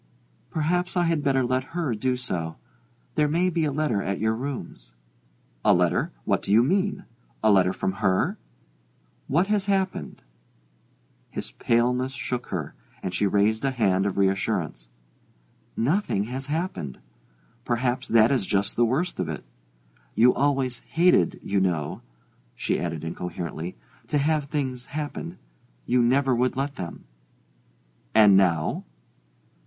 "Perhaps I had better let her do so. There may be a letter at your rooms." "A letter? What do you mean? A letter from her? What has happened?" His paleness shook her, and she raised a hand of reassurance. "Nothing has happened perhaps that is just the worst of it. You always hated, you know," she added incoherently, "to have things happen: you never would let them." "And now